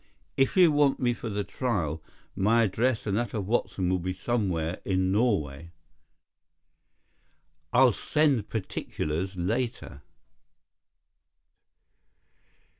If you want me for the trial, my address and that of Watson will be somewhere in Norway—I'll send particulars later."